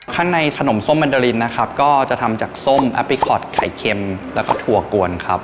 ข้างในขนมส้มมันเดอรินนะครับก็จะทำจากส้มแอปพลิคอตไข่เค็มแล้วก็ถั่วกวนครับ